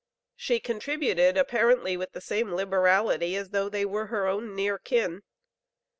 She contributed apparently with the same liberality as though they were her own near kin.